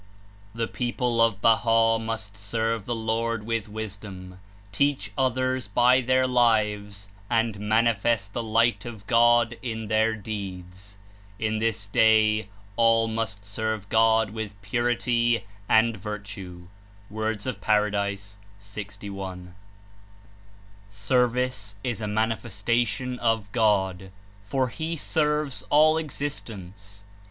^'The people of Baha' must serve the Lord ziith liisdom, teach others by their Frees, and manifest the lii^ht of God in their deeds J' ''In this day all must serve God iiith purity and virtue J' (W. 6i.) Service is a manifestation of God, for He serves all existence.